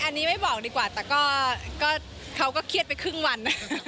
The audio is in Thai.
อันนี้ไม่บอกดีกว่าแต่ก็เขาก็เครียดไปครึ่งวัน